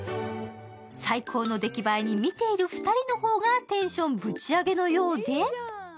最高の出来栄えに見ている２人の方がテンションブチ上げのようで。